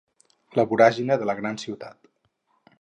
La voràgine de la gran ciutat.